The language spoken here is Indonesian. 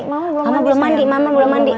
mama belum mandi mama belum mandi